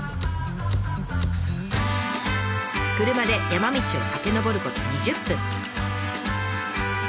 車で山道を駆け上ること２０分。